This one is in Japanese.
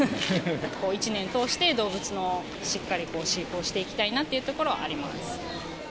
一年通して、動物をしっかり飼育をしていきたいなというところはあります。